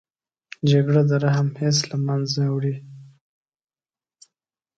جګړه د رحم حس له منځه وړي